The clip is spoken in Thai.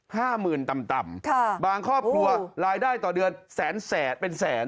ห้าหมื่นต่ำต่ำค่ะบางครอบครัวรายได้ต่อเดือนแสนแสนเป็นแสน